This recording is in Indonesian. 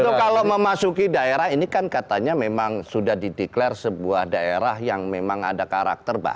tentu kalau memasuki daerah ini kan katanya memang sudah dideklarasi sebuah daerah yang memang ada karakter